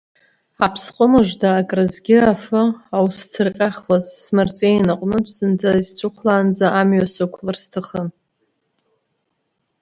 Аԥсҟы мыжда акразгьы афы аусцырҟьахуаз, смарҵеин аҟнытә, зынӡа исцәыхәлаанӡа амҩа сықәлар сҭахын.